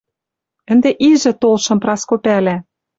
Ӹнде ижӹ толшым Праско пӓлӓ...